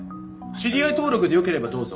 知り合い登録でよければどうぞ。